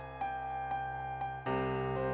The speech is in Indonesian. amin ya allah